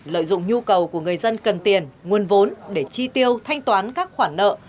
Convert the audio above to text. lợi dụng nhu cầu của người dân cần tiền nguồn vốn để chi tiêu thanh toán các khoản nợ